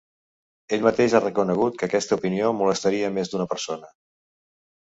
Ell mateix ha reconegut que aquesta opinió molestaria més d’una persona.